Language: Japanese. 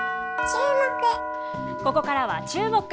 ここからはチューモク！